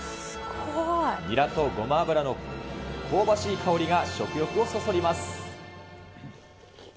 ニラとごま油の香ばしい香りが食欲をそそります。